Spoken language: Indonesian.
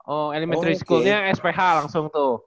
oh elementary school nya sph langsung tuh